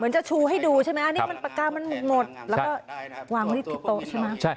จะชูให้ดูใช่ไหมอันนี้มันปากกามันหมดแล้วก็วางไว้ที่โต๊ะใช่ไหม